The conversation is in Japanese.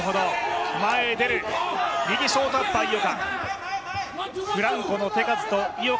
前へ出る、ショートアッパー、井岡。